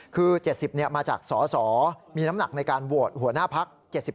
คือ๗๐มาจากสสมีน้ำหนักในการโหวตหัวหน้าพัก๗๕